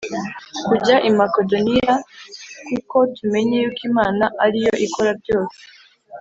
kujya i Makedoniya kuko tumenye yuko Imana ariyo ikora byose